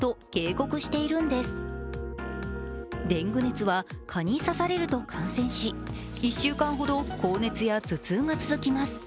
デング熱は蚊に刺されると感染し１週間ほど高熱や頭痛が続きます。